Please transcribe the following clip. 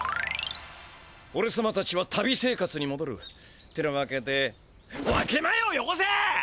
おれさまたちは旅生活にもどる。ってなわけで分け前をよこせ！